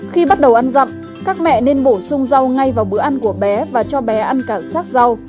khi bắt đầu ăn dặm các mẹ nên bổ sung rau ngay vào bữa ăn của bé và cho bé ăn cả sát rau